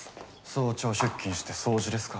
早朝出勤して掃除ですか。